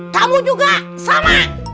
kamu juga sama